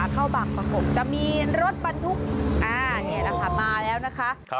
ข้าวบางประกบจะมีรถบันทุกอ่านี่ด้วยค่ะมาแล้วนะคะ